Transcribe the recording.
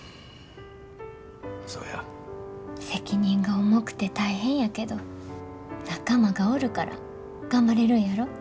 責任が重くて大変やけど仲間がおるから頑張れるんやろ。